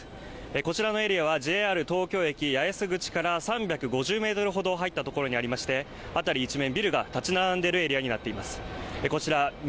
こちらのエリアはＪＲ東京駅八重洲口から３５０メートルほど入った所にありまして辺り一面ビルが建ち並んでるエリアになっています